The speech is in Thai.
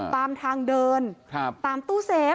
ตามทางเดินตามตู้เซฟ